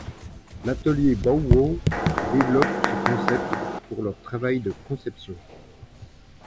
L’atelier Bow-Wow développe ce concept pour leur travail de conception.